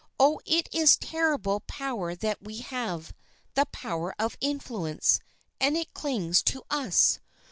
Oh, it is terrible power that we have—the power of influence—and it clings to us.